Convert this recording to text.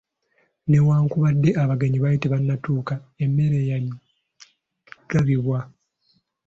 Newankubadde abagenyi baali tebanatuuka emmere yagabibwa.